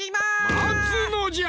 まつのじゃ！